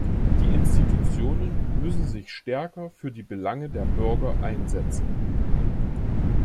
Die Institutionen müssen sich stärker für die Belange der Bürger einsetzen.